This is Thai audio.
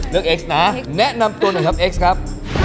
เอ็กซ์นะแนะนำตัวหน่อยครับเอ็กซ์ครับ